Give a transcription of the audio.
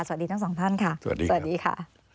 สวัสดีทั้งสองท่านค่ะสวัสดีครับสวัสดีค่ะ